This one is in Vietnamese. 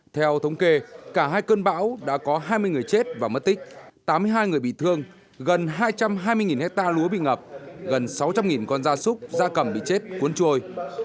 theo thống kê cả hai cơn bão đã có hai mươi người chết và mất tích tám mươi hai người bị thương gần hai trăm hai mươi hectare lúa bị ngập gần sáu trăm linh con da súc da cầm bị chết cuốn trôi